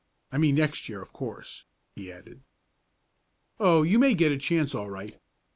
I mean next year, of course," he added. "Oh, you may get a chance all right.